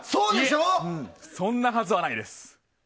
そんなはずはないです。